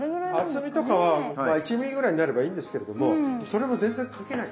厚みとかはまあ１ミリぐらいになればいいんですけれどもそれも全然関係ない。